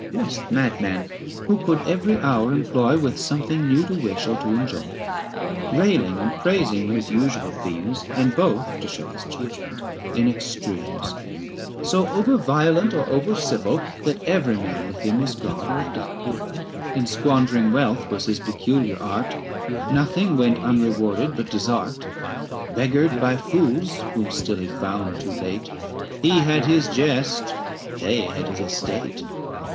Blest madman, who could every hour employ With something new to wish or to enjoy ! Railing and praising were his usual themes, 555 ABSALOM AND ACHITOPHEL. 1 03 And both, to show his judgment, in extremes : So over violent or over civil That every man with him was God or Devil. In squandering wealth was his peculiar art ; Nothing went unrewarded but desert. 560 Beggared by fools whom still he found too late, He had his jest, and they had his estate.